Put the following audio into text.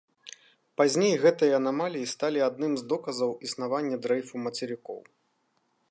Пазней гэтыя анамаліі сталі адным з доказаў існавання дрэйфу мацерыкоў.